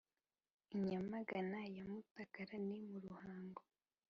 i nyamagana ya mutakara: ni mu ruhango